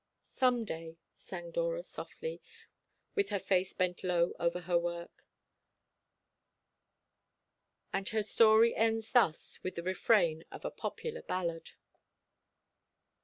"Some day," sang Dora softly, with her face bent low over her work: and her story ends thus with the refrain of a popular ballad.